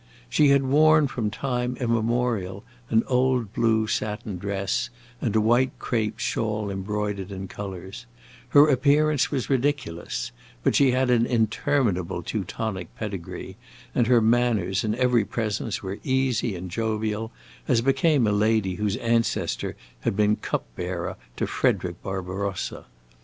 She had worn from time immemorial an old blue satin dress, and a white crape shawl embroidered in colors; her appearance was ridiculous, but she had an interminable Teutonic pedigree, and her manners, in every presence, were easy and jovial, as became a lady whose ancestor had been cup bearer to Frederick Barbarossa.